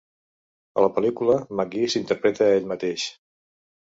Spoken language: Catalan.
A la pel·lícula, McGee s'interpreta a ell mateix.